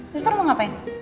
juster mau ngapain